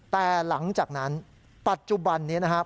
แต่หลังจากนั้นปัจจุบันนี้นะครับ